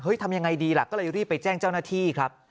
ทำยังไงดีล่ะก็เลยรีบไปแจ้งเจ้าหน้าที่ครับ